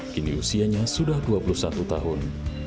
kini usianya sudah dua puluh satu tahun